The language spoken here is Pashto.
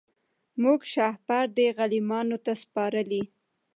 موږ شهپر دی غلیمانو ته سپارلی